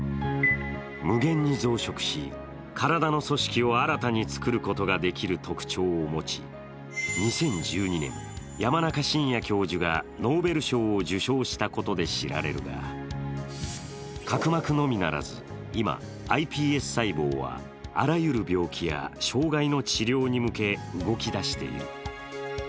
無限に増殖し、体の組織を新たに作ることができる特徴を持ち、２０１２年、山中伸弥教授がノーベル賞を受賞したことで知られるが角膜のみならず、今、ｉＰＳ細胞はあらゆる病気や障害の治療に向け動き出している。